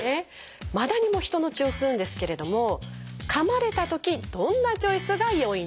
マダニも人の血を吸うんですけれどもかまれたときどんなチョイスがよいのか？